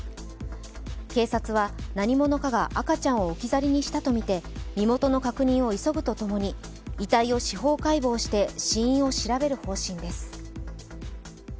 警察は何者かが赤ちゃんを置き去りにしたとみて、身元の確認を急ぐとともに遺体を司法解剖して死因を調べる方針です。